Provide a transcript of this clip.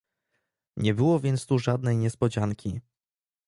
Nie było więc tu żadnej niespodzianki